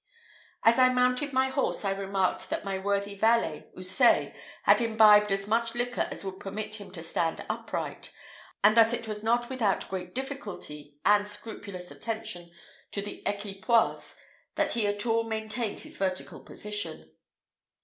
As I mounted my horse, I remarked that my worthy valet, Houssaye, had imbibed as much liquor as would permit him to stand upright, and that it was not without great difficulty and scrupulous attention to the equipoise that he at all maintained his vertical position.